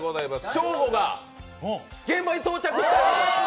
ショーゴが現場に到着したようです。